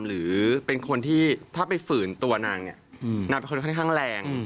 หรือเป็นคนที่ถ้าไปฝืนตัวนางเนี่ยนางเป็นคนค่อนข้างแรง